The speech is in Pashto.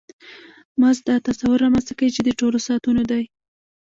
مزد دا تصور رامنځته کوي چې د ټولو ساعتونو دی